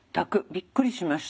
びっくりしました。